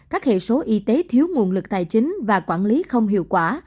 các hệ số y tế thiếu nguồn lực tài chính và quản lý không hiệu quả